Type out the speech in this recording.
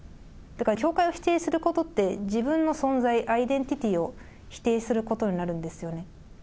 だから教会を否定することって、自分の存在、アイデンティティーを否定することになるんですよね。